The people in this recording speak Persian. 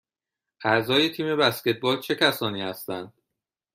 اعضای تیم بسکتبال چه کسانی هستند؟